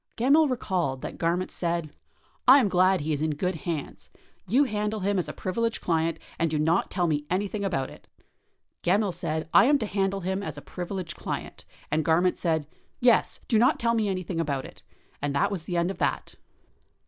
Gemmill recalled that Garment said, "I am glad he is in good hands. You handle him as a privileged client and do not tell me anything about it. [Gemmill] said I am to handle him as a privileged client, and [Garment] said 'yes, do not tell me anything about it,' and that was the end of that."